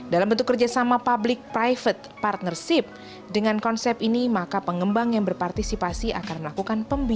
dalam bentuk kerjasama public private partnership dengan konsep ini maka pengembang yang berpartisipasi akan melakukan pembinaan